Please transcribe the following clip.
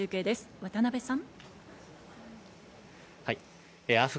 渡邊さん。